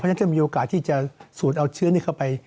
เพราะฉะนั้นจะมีโอกาสที่จะสูดเอาเชื้อเข้าไป